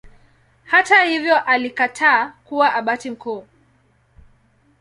Hata hivyo alikataa kuwa Abati mkuu.